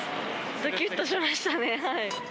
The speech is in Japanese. どきっとしましたね。